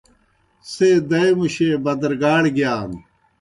څھے دائے مُشے بَدَرگاڑ گِیان۔